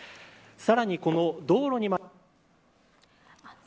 さらに、この道路に。